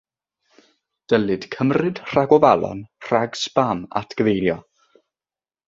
Dylid cymryd rhagofalon rhag sbam atgyfeirio.